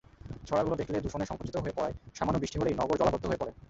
ছড়াগুলো দখলে-দূষণে সংকুচিত হয়ে পড়ায় সামান্য বৃষ্টি হলেই নগর জলাবদ্ধ হয়ে পড়ে।